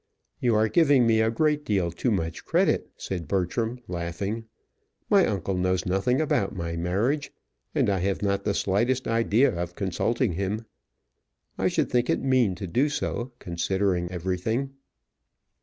"You are giving me a great deal too much credit," said Bertram, laughing. "My uncle knows nothing about my marriage, and I have not the slightest idea of consulting him. I should think it mean to do so, considering everything."